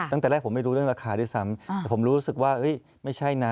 ตั้งแต่แรกผมไม่รู้เรื่องราคาด้วยซ้ำแต่ผมรู้สึกว่าไม่ใช่นะ